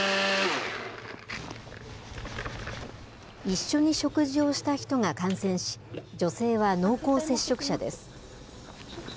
一緒に食事をした人が感染し、女性は濃厚接触者です。